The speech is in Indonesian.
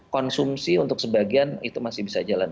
konsumsi untuk sebagian itu masih bisa jalan